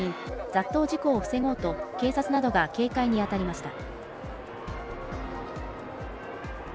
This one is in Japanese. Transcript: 雑踏事故を防ごうと、警察などが警戒にあたりました。